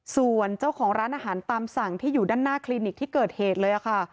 ส่วนเจ้าของร้านอาหารตามสั่งที่อยู่ด้านหน้าคลินิกที่เกิดเหตุเลยค่ะ